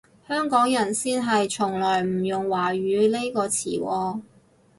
香港人先係從來唔用華語呢個詞喎